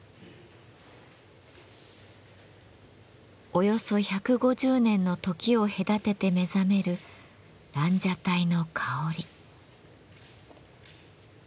およそ１５０年の時を隔てて目覚める蘭奢待の香り。